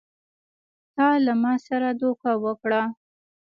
تا له ما سره دوکه وکړه!